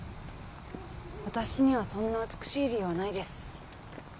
私にはそんな美しい理由はないです